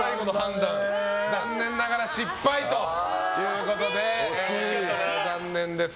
残念ながら失敗ということで残念です。